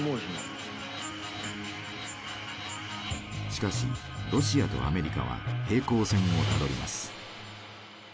しかしロシアとアメリカは平行線をたどります。